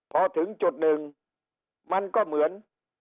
พอถึงจุดหนึ่งมันก็เหมือน